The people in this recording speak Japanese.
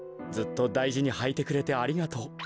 ずっとだいじにはいてくれてありがとう。